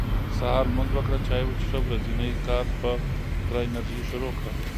سهار لمونځ وکړه چاي وڅښه ورځني کار په پوره انرژي شروع کړه